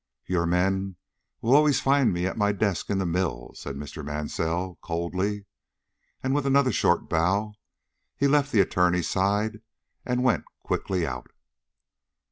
"Your men will always find me at my desk in the mill," said Mr. Mansell, coldly. And, with another short bow, he left the attorney's side and went quickly out.